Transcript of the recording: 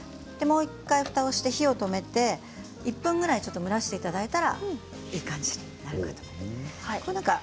もう１回ふたをして火を止めて１分ぐらい蒸らしていただいたらいい感じになるかと思います。